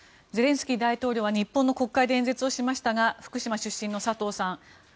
ゼレンスキー大統領は日本の国会で演説しましたが福島出身の佐藤さん